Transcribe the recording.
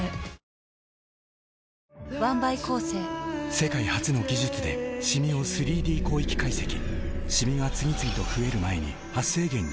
世界初の技術でシミを３Ｄ広域解析シミが次々と増える前に「メラノショットＷ」